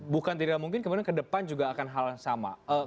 bukan tidak mungkin kemudian ke depan juga akan hal yang sama